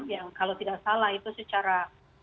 yang kalau tidak salah itu secara